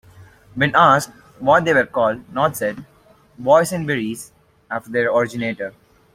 When asked what they were called, Knott said, "Boysenberries," after their originator.